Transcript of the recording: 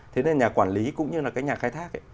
thế nên nhà quản lý cũng như là cái nhà khai thác ấy